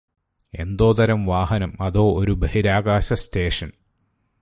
എന്തോ തരം വാഹനം അതോ ഒരു ബഹിരാകാശ സ്റ്റേഷൻ